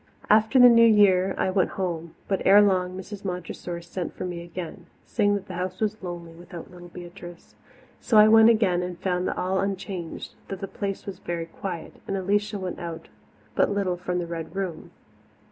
After the New Year I went home, but ere long Mrs. Montressor sent for me again, saying that the house was lonely without little Beatrice. So I went again and found all unchanged, though the Place was very quiet, and Alicia went out but little from the Red Room.